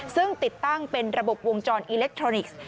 ซึ่งติดตั้งเป็นระบบวงจรอิเล็กทรอนิกส์